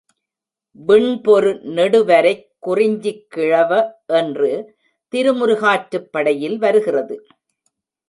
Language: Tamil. விண்பொரு நெடுவரைக் குறிஞ்சிக் கிழவ என்று திருமுருகாற்றுப்படையில் வருகிறது.